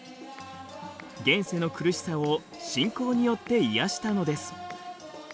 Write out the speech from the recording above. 現世の苦しさを信仰によって癒やしたのです。